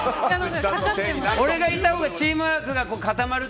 俺がいたほうがチームワークが固まる